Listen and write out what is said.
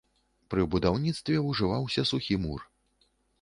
Пры будаўніцтве ўжываўся сухі мур.